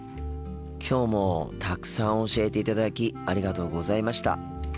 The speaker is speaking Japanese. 今日もたくさん教えていただきありがとうございました。